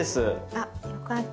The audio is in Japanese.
あっよかった。